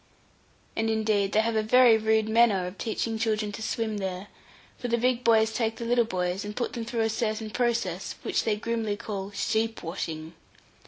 And indeed they have a very rude manner of teaching children to swim there; for the big boys take the little boys, and put them through a certain process, which they grimly call 'sheep washing.'